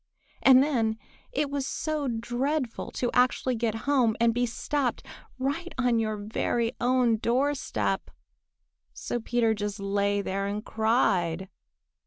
And then it was so dreadful to actually get home and be stopped right on your very own door step. So Peter just lay there and cried.